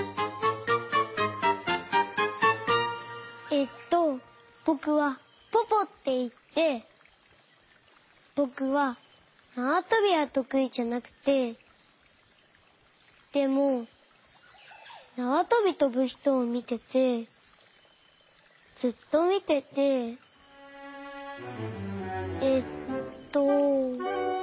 えっとぼくはポポっていってぼくはなわとびはとくいじゃなくてでもなわとびとぶひとをみててずっとみててえっと。